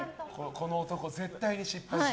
この男、絶対に失敗する。